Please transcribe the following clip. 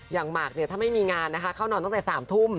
อย่างหมากถ้าไม่มีงานนะคะเข้านอนตั้งแต่๓ทุ่ม